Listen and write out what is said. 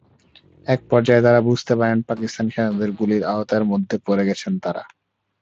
একপর্যায়ে তাঁরা বুঝতে পারেন, পাকিস্তানি সেনাদের গুলির আওতার মধ্যে পড়ে গেছেন তাঁরা।